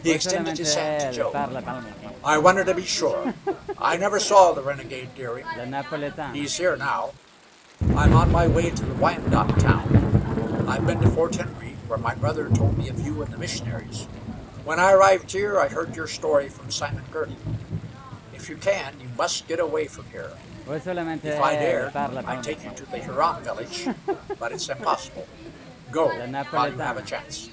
He extended his hand to Joe. "I wanted to be sure. I never saw the renegade Deering. He is here now. I am on my way to the Wyandot town. I have been to Fort Henry, where my brother told me of you and the missionaries. When I arrived here I heard your story from Simon Girty. If you can, you must get away from here. If I dared I'd take you to the Huron village, but it's impossible. Go, while you have a chance."